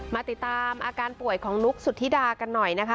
มาติดตามอาการป่วยของนุ๊กสุธิดากันหน่อยนะคะ